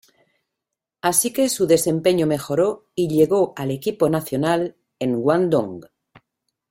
Así que su desempeño mejoró y llegó al equipo nacional en Guangdong.